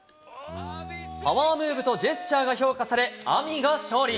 パワームーブとジェスチャーが評価され、アミが勝利。